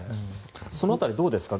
その辺りどうですか？